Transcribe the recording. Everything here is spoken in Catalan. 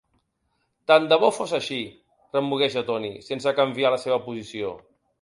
"Tant de bo fos així", remugueja Tony, sense canviar la seva posició.